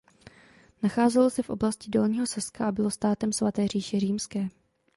Nacházelo se v oblasti Dolního Saska a bylo státem Svaté říše římské.